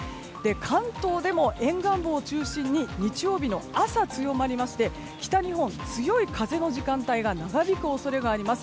関東でも沿岸部を中心に日曜日の朝、強まりまして北日本、強い風の時間帯が長引く恐れがあります。